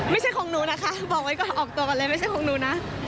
ไม่ใช่ของหนูนะคะบอกไว้ก่อนออกตัวก่อนเลยไม่ใช่ของหนูนะ